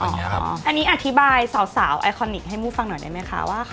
อันนี้อธิบายสาวไอคอนิกส์ให้มู้ฟังหน่อยได้ไหมคะว่า